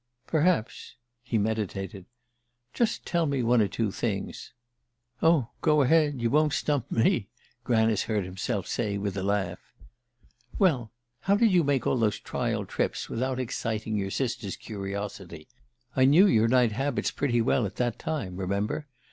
"Perhaps." He meditated. "Just tell me one or two things." "Oh, go ahead. You won't stump me!" Granice heard himself say with a laugh. "Well how did you make all those trial trips without exciting your sister's curiosity? I knew your night habits pretty well at that time, remember.